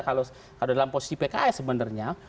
kalau dalam posisi pks sebenarnya